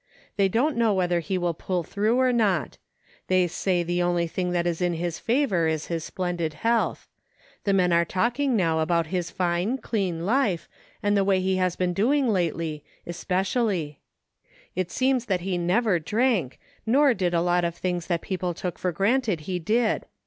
They don't know whether he will pull through or not. They say the only thing that is in his favor is his splendid health. The men are talking now about his fine clean life, and way he has been doing lately, especially. It seems he never drank nor did a lot of things that people took for granted he did.